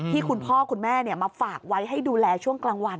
คุณพ่อคุณแม่มาฝากไว้ให้ดูแลช่วงกลางวัน